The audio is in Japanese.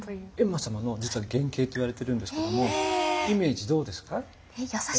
閻魔様の実は原形といわれているんですけどもイメージどうですか？